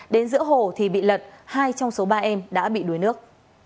đến giữa hồ thì bị lật hai trong số ba em đã bị đuối nước